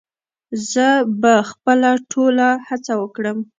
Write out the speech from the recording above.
زه به خپله ټوله هڅه وکړم